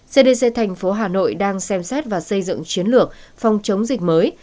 cdc tp hà nội đang xem xét và xây dựng chiến lược phòng chống dịch mới